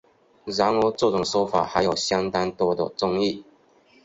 然而这种说法还有相当多的争议。